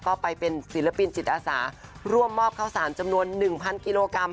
ก็ไปเป็นศิลปินจิตอาสาร่วมมอบข้าวสารจำนวน๑๐๐กิโลกรัม